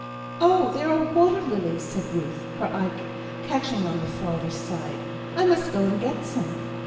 "Oh, there are water lilies," said Ruth, her eye catching on the farther side. "I must go and get some."